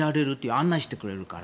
案内してくれるから。